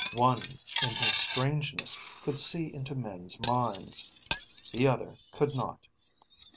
One, in his strangeness, could see into men's minds. The other could not.